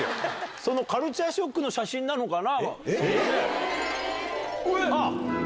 そのカルチャーショックの写真なのかな。